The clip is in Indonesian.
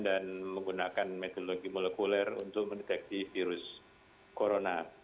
dan menggunakan metodologi molekuler untuk mendeteksi virus corona